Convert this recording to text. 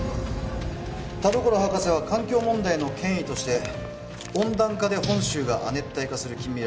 田所博士は環境問題の権威として「温暖化で本州が亜熱帯化する近未来に」